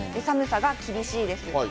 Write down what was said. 寒さが厳しいです。